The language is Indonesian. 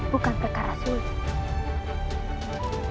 bukan perkara sulit